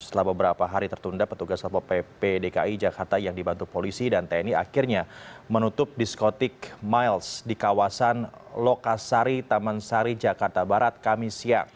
setelah beberapa hari tertunda petugas satpol pp dki jakarta yang dibantu polisi dan tni akhirnya menutup diskotik miles di kawasan lokasari taman sari jakarta barat kami siang